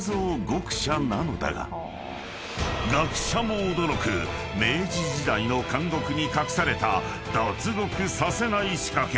［学者も驚く明治時代の監獄に隠された脱獄させない仕掛け。